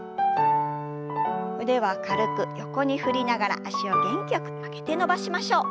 腕は軽く横に振りながら脚を元気よく曲げて伸ばしましょう。